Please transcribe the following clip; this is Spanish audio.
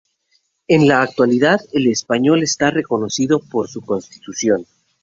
En la actualidad el español está reconocido por su Constitución.